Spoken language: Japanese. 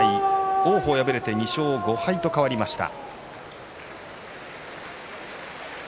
王鵬敗れて２勝５敗と変わりました。